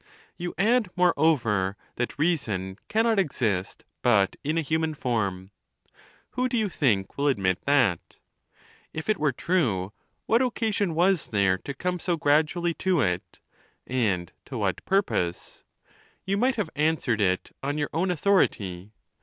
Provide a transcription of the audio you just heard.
You add, moreover, that reason cannot exist but in a human form. Who, do you think, will admit that ? If it were true, what occasion was there to come so gradually to it ? And to what purpose ? You might have answered it on your own authority.